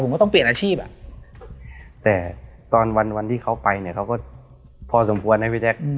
ผมก็ต้องเปลี่ยนอาชีพอ่ะแต่ตอนวันที่เขาไปเนี่ยเขาก็พอสมควรนะพี่แจ๊ค